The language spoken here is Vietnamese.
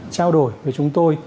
trao đổi với chúng tôi